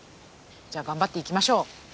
じゃあ頑張っていきましょう。